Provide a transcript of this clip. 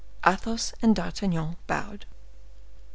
Athos and D'Artagnan bowed.